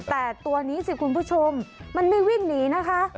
แต่ตัวนี้สิคุณผู้ชมมันไม่วิ่งหนีนะคะ